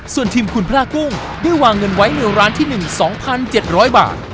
ส่วนทีมคุณพระกุ้งได้วางเงินไว้ในร้านที่๑๒๗๐๐บาท